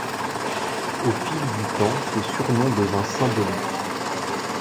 Au fil du temps ce surnom devint symbolique.